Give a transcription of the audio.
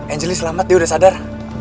angelie selamat dia udah sadar